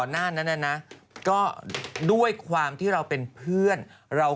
นางก็พูดแบบนี้ก่อนครับ